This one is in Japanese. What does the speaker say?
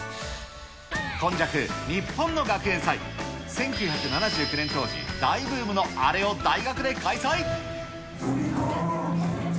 今昔日本の学園祭、１９７９年当時、大ブームのあれを大学で開催。